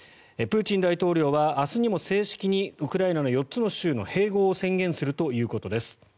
プーチン大統領は明日にも正式にウクライナの４つの州の併合を宣言するということです。